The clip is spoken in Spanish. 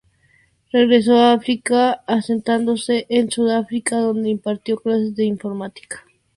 Regresó a África, asentándose en Sudáfrica, donde impartió clases de informática.